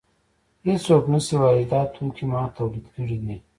هېڅوک نشي ویلی چې دا توکی ما تولید کړی دی